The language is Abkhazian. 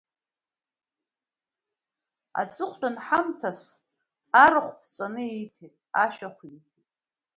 Аҵыхәтәан ҳамҭас арахә ԥҵәаны ииҭеит, ашәахә ииҭеит.